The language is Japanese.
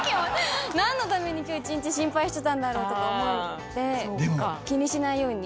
何のために今日一日心配してたんだろうとか思って気にしないように。